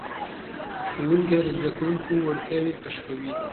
ښوونکي د زده کوونکو وړتیاوې کشفوي.